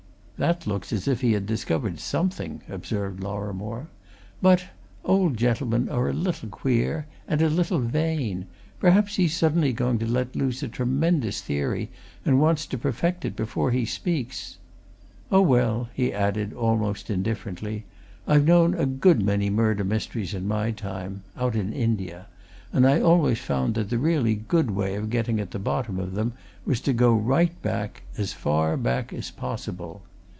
"That looks as if he had discovered something," observed Lorrimore. "But old gentlemen are a little queer, and a little vain. Perhaps he's suddenly going to let loose a tremendous theory and wants to perfect it before he speaks. Oh, well!" he added, almost indifferently, "I've known a good many murder mysteries in my time out in India and I always found that the really good way of getting at the bottom of them was to go right back! as far back as possible.